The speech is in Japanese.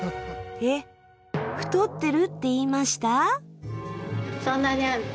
えっ太ってるって言いました？